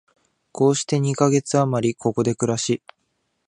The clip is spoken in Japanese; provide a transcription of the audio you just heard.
こうして二カ月あまり、ここで暮らし、